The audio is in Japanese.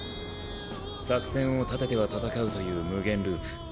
作戦を立てては戦うという無限ループ。